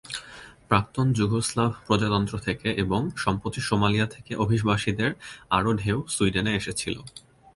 প্রাক্তন যুগোস্লাভ প্রজাতন্ত্র থেকে এবং সম্প্রতি সোমালিয়া থেকে অভিবাসীদের আরও ঢেউ সুইডেনে এসেছিল।